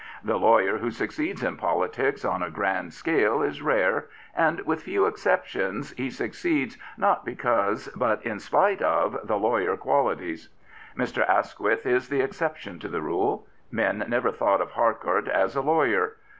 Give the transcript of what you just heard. The lawyer who succeeds in politics on a grand scale is rare, and, with few exceptions, he suc ceeds not because, but in spite of the lawyer qualities, Mr. Asquith is the exception to the rule. Men never thought of Harcourt as a lawyer.